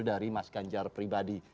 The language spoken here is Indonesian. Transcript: dari mas ganjar pribadi